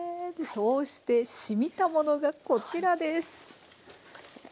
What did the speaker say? そうしてしみたものがこちらです。